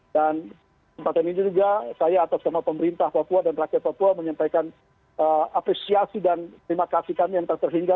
dan sempat ini juga saya atas kemampuan pemerintah dan rakyat papua menyampaikan apresiasi dan terima kasih kami yang terhingga